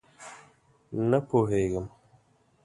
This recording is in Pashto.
_نه پوهېږم!